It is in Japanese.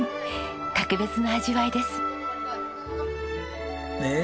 格別の味わいです。ねえ。